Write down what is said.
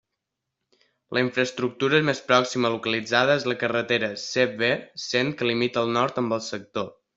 La infraestructura més pròxima localitzada és la carretera CV cent que limita al nord amb el sector.